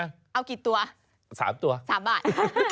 เอากี่ตัวสามตัวสามบาท